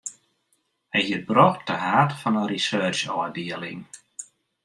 Hy hie it brocht ta haad fan in researchôfdieling.